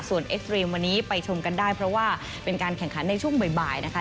ส่วนเอ็กซ์เรมวันนี้ไปชมกันได้เพราะว่าเป็นการแข่งขันในช่วงบ่ายนะคะ